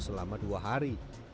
selama dua hari